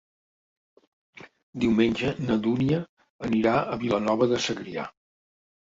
Diumenge na Dúnia anirà a Vilanova de Segrià.